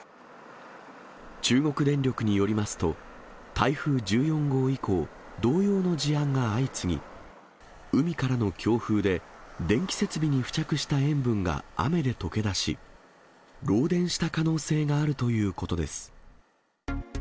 中国電力によりますと、台風１４号以降、同様の事案が相次ぎ、海からの強風で、電気設備に付着した塩分が雨で溶け出し、漏電した可能性があるということです。